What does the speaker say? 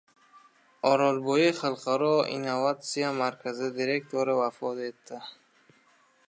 Orolbo‘yi xalqaro innovasiya markazi direktori vafot etdi